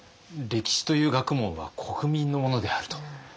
歴史という学問は国民のものであると。